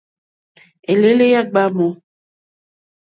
Elele ya gbamu.